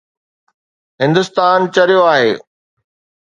هندستان چريو آهي؟